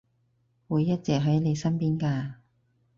會一直喺你身邊㗎